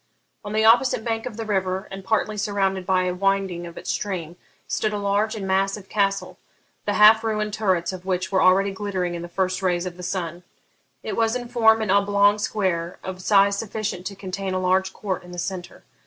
On the opposite bank of the river, and partly surrounded by a winding of its stream, stood a large and massive castle, the half ruined turrets of which were already glittering in the first rays of the sun. [Footnote: See Note 2.] It was in form an oblong square, of size sufficient to contain a large court in the centre.